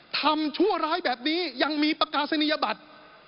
ชั่วร้ายแบบนี้ยังมีประกาศนียบัตร